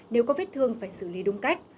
nếu có vết thương phải xử lý đúng cách